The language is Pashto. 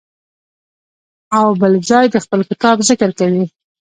او بل ځای د خپل کتاب ذکر کوي.